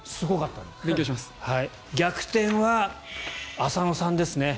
逆転は浅野さんですね。